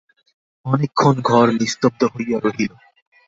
অনেকক্ষণ ঘর নিস্তব্ধ হইয়া রহিল।